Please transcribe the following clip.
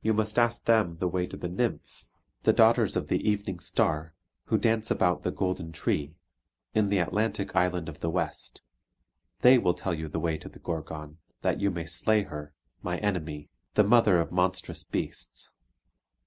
You must ask them the way to the Nymphs, the daughters of the Evening Star, who dance about the golden tree, in the Atlantic island of the west. They will tell you the way to the Gorgon, that you may slay her, my enemy, the mother of monstrous beasts.